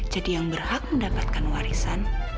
jadi yang berhak mendapatkan warisan